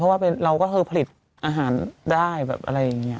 เพราะว่าเราก็คือผลิตอาหารได้แบบอะไรอย่างนี้